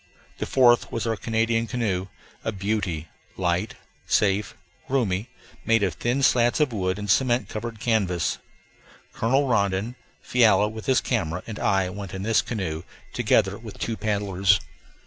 The fourth was our Canadian canoe, a beauty; light, safe, roomy, made of thin slats of wood and cement covered canvas. Colonel Rondon, Fiala with his camera, and I went in this canoe, together with two paddlers.